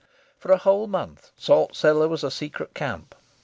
For a whole month Salt Cellar was a secret camp.